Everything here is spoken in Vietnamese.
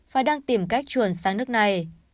và đang tìm cách truồn sang nước này